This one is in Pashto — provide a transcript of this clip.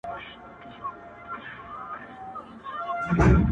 هم د زرو موږكانو سكه پلار يم؛